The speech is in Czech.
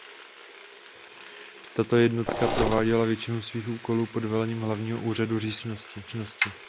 Tato jednotka prováděla většinu svých úkolů pod velením Hlavního úřadu říšské bezpečnosti.